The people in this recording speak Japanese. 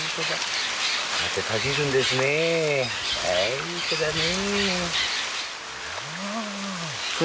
いい子だね。